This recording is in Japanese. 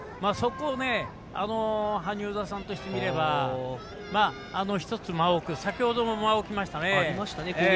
萩生田さんとしてみれば１つ、間を置く先ほども間を置きましたね。